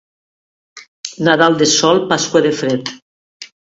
Nadal de sol, Pasqua de fred.